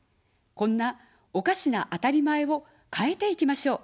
こんなおかしなあたりまえを変えていきましょう。